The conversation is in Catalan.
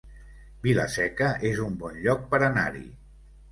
Vila-seca es un bon lloc per anar-hi